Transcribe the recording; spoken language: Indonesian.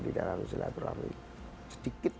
di dalam silaturahmi sedikit